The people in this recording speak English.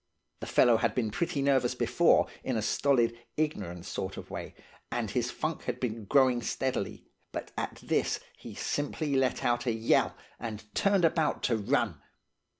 "The fellow had been pretty nervous before, in a stolid, ignorant sort of way, and his funk had been growing steadily; but at this he simply let out a yell, and turned about to run.